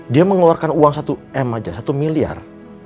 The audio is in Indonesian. dia mengeluarkan uang satu m saja satu miliar